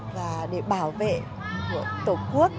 và để bảo vệ tổ quốc